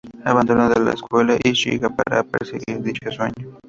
Abandonó la escuela y Shiga para perseguir dicho sueño.